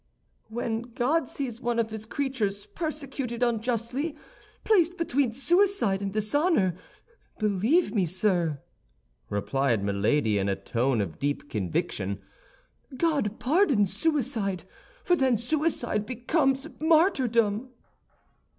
"When God sees one of his creatures persecuted unjustly, placed between suicide and dishonor, believe me, sir," replied Milady, in a tone of deep conviction, "God pardons suicide, for then suicide becomes martyrdom."